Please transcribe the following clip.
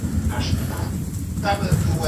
ایا کورني سوداګر تور ممیز ساتي؟